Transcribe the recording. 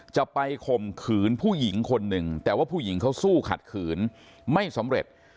จะไปข่มขืนผู้หญิงคนหนึ่งแต่ว่าผู้หญิงเขาสู้ขัดขืนไม่สำเร็จ